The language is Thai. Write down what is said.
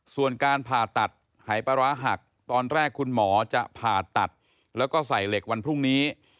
ส่วนการผ่าตัดหายปลาร้าหักตอนแรกคุณหมอจะผ่าตัดแล้วก็ใส่เหล็กวันพรุ่งนี้